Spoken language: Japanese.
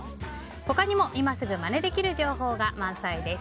他にも、今すぐまねできる情報が満載です。